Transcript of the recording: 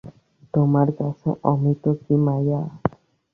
তোমার কাছে অমিতও কি মায়া।